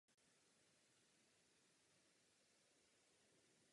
Po jejím ukončení působil u Policie České republiky.